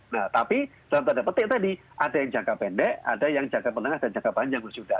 nah tapi dalam tanda petik tadi ada yang jangka pendek ada yang jangka menengah dan jangka panjang sudah